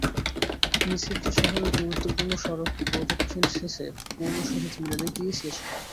মিছিলটি শহরের গুরুত্বপূর্ণ সড়ক প্রদক্ষিণ শেষে পৌর শহীদ মিনারে গিয়ে শেষ হয়।